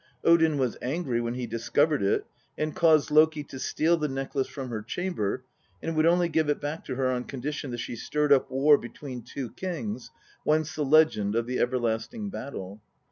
Odin was angry when he discovered it, and caused Loki to steal the necklace from her chamber, and would only give it back to her on condition that she stirred up war between two kings, whence the legend of the " Everlasting Battle."